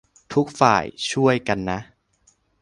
ทุกฝ่าย ช่วยกันนะ